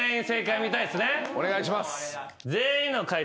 お願いします。